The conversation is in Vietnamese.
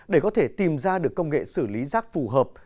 để có thể tìm ra được công nghệ xử lý rác phù hợp